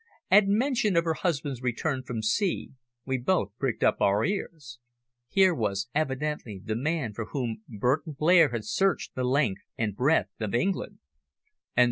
At mention of her husband's return from sea we both pricked up our ears. Here was evidently the man for whom Burton Blair had searched the length and breadth of England.